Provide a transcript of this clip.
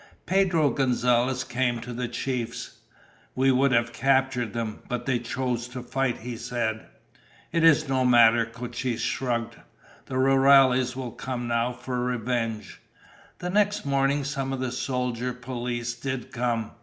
Pedro Gonzalez came to the chiefs. "We would have captured them, but they chose to fight," he said. "It is no matter," Cochise shrugged. "The rurales will come now for revenge." The next morning some of the soldier police did come.